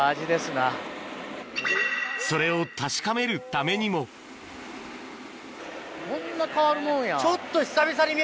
それを確かめるためにもこんな変わるもんや。